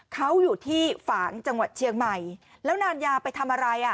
เขาอยู่ที่ฝางจังหวัดเชียงใหม่แล้วนานยาไปทำอะไรอ่ะ